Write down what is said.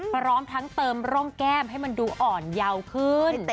พร้อมทั้งเติมร่องแก้มให้มันดูอ่อนเยาว์ขึ้น